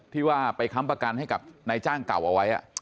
ที่ว่าไปค้ำประกันให้กับนายจ้างเก่าเอาไว้